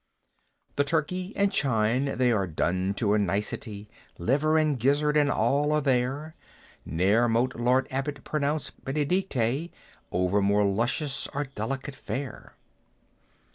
The turkey and chine, they are done to a nicety; Liver, and gizzard, and all are there; Ne'er mote Lord Abbot pronounce Benedicite Over more luscious or delicate fare.